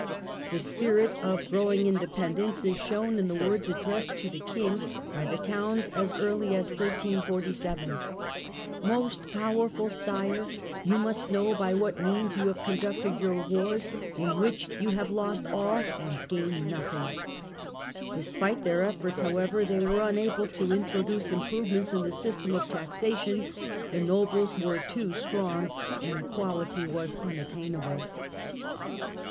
The spirit of 10 146 THE END OF THE MIDDLE AGE growing independence is shown in the words addressed to the King by the towns as early as 1847: "Most powerful Sire, you must know by what means you have conducted your M^ars, in which you have lost all and gained nothing ". Despite their efforts, however, they were unable to introduce improvements in the system of taxation, the nobles were too strong and equality was unattainable.